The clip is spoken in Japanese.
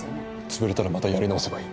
潰れたらまたやり直せばいい。